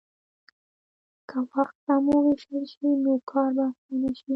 که وخت سم ووېشل شي، نو کار به اسانه شي.